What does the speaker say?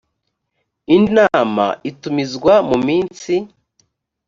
indi nama itumizwa mu minsi